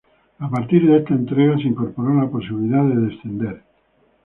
A partir de esta entrega, se incorporó la posibilidad de descender.